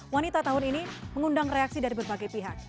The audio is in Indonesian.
wanita tahun ini mengundang reaksi dari berbagai pihak